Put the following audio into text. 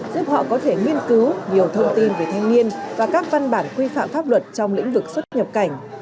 giúp họ có thể nghiên cứu nhiều thông tin về thanh niên và các văn bản quy phạm pháp luật trong lĩnh vực xuất nhập cảnh